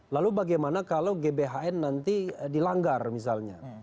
lalu bagaimana kalau gbhn nanti dilanggar misalnya